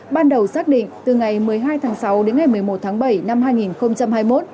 ban đầu xác định từ ngày một mươi hai tháng sáu đến ngày một mươi một tháng bảy năm hai nghìn hai mươi một